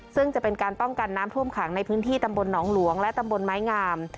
ซึ่งจะเป็นการป้องกันน้ำท่วมขังในพื้นที่ตำบลหนองหลวงและตำบลไม้งาม